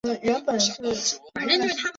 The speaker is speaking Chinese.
要毫不放松抓紧抓实抓细各项防控工作